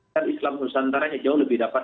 kan islam nusantaranya jauh lebih dapat